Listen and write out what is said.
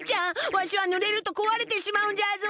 わしはぬれるとこわれてしまうんじゃぞ。